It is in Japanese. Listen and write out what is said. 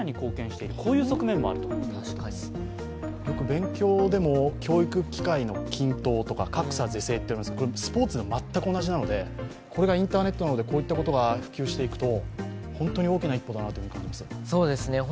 勉強でも教育機会の均等とか、格差是正ってありますがスポーツも全く同じなのでこれがインターネットなどで、こういったことが普及していくと本当に大きな一歩だなと感じます。